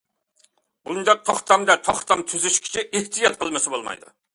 بۇنداق توختامدا توختام تۈزۈشكۈچى ئېھتىيات قىلمىسا بولمايدۇ.